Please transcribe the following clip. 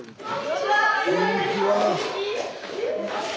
・こんにちは！